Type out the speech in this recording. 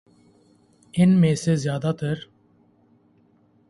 ان میں سے زیادہ تر